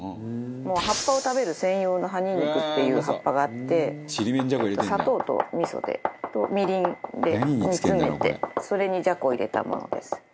もう葉っぱを食べる専用の葉ニンニクっていう葉っぱがあって砂糖と味噌とみりんで煮詰めてそれにじゃこを入れたものです。